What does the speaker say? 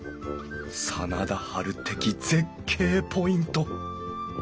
真田ハル的絶景ポイント。